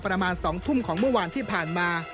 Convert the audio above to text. ประมาณ๒ทุ่มของเมื่อวานที่ผ่านมา